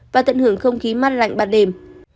và tận hưởng không khí mát lạnh ban đêm